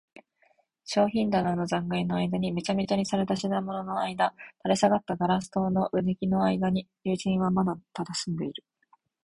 商品棚の残骸のあいだ、めちゃめちゃにされた品物のあいだ、垂れ下がったガス燈の腕木のあいだに、友人はまだたたずんでいる。